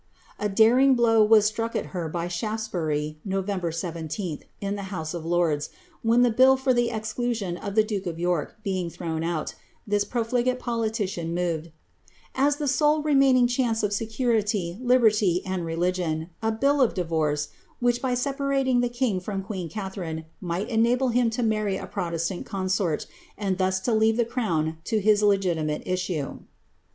A daring blow was struck at her by Shaftesbury, Nov. 17lh, in the Bouse of Lords, when, the bill for the exclusion of the duke of York being thrown out, this profligate politician moved — ^^'as the sole re ■naining chance of security, liberty, and religion, a bill of divorce, ^rhich, by separating the king from queen Catharine, nii^ht enable him Ko marry a protestant consort, and thus to leave the crown to his logiti ite issue.